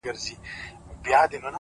• په شاعرۍ کي رياضت غواړمه ـ